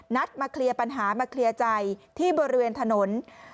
นัดมาเคลียร์ใจมาเคลียร์ปัญหาที่บริเวณถนน